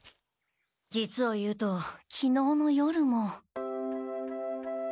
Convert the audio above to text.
実を言うときのうの夜も。